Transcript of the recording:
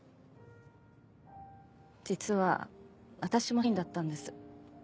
実は私も社員だったんです。